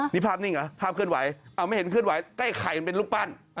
นี่ภาพนี่เหรอภาพเคลื่อนไหวไม่เห็นเคลื่อนไหวก็ไอ้ไข่เป็นลูกปั้น